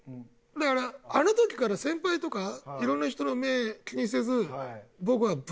だからあの時から先輩とか色んな人の目ぇ気にせず。